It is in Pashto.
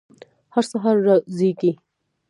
هر سهار را زیږي